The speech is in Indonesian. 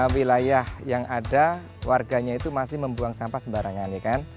wilayah yang ada warganya itu masih membuang sampah sembarangan